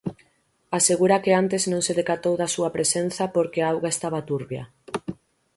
Asegura que antes non se decatou da súa presenza porque a auga estaba turbia.